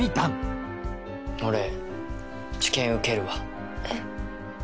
俺治験受けるわえっ？